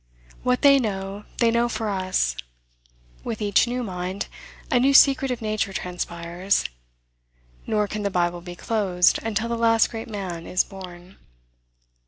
What they know, they know for us. With each new mind, a new secret of nature transpires; nor can the Bible be closed, until the last great man is born.